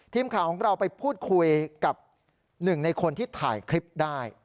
ทีมข่าวของเราไปพูดคุยกับหนึ่งในคนที่ถ่ายคลิปได้